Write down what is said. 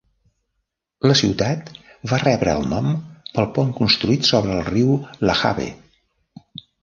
La ciutat va rebre el nom pel pont construït sobre el riu LaHave.